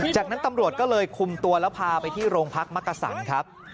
จากนั้นตำรวจก็เลยคุมตัวแล้วพาไปที่โรงพักมักกะสันครับ